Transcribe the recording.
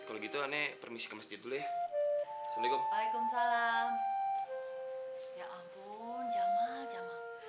kalau gitu aneh permisi kemesti dulu ya assalamualaikum waalaikumsalam ya ampun jamal jamal